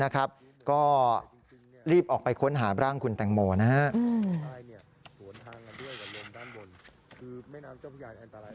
ก็รีบออกไปค้นหาร่างคุณแตงโมนะฮะ